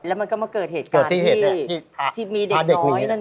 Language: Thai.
แล้วมันก็มาเกิดเหตุการณ์ที่มีเด็กน้อยนั่น